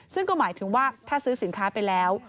ซึ่งก็หมายถึงว่าถ้าซื้อสินค้าไปแล้ว